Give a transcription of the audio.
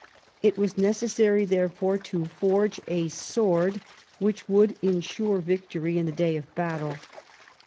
It was necessary, therefore, to forge a sword which would ensure victory in the day of battle.